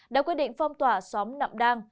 đã quyết định phong tỏa xóm nậm đam